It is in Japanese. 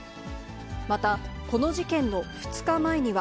またこの事件の２日前には、